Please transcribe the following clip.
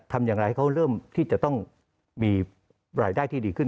ทำอย่างไรให้เขาเริ่มที่จะต้องมีรายได้ที่ดีขึ้น